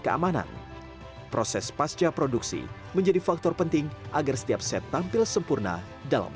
keamanan proses pasca produksi menjadi faktor penting agar setiap set tampil sempurna dalam